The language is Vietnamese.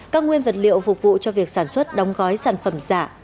các nguyên vật liệu phục vụ cho việc sản xuất đóng gói sản phẩm giả